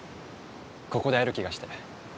ここで会える気がして。